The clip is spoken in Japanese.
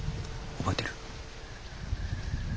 覚えてる？